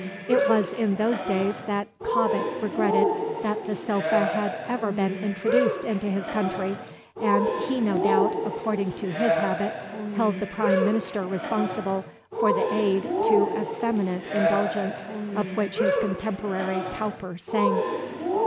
It was in those days that Cobbett regretted that the sofa had ever been introduced into his country, and he no doubt, according to his habit, held the Prime Minister responsible for the aid to effeminate indulgence of which his contemporary Cowper sang.